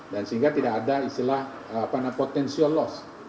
dan sehingga tidak ada potensi loss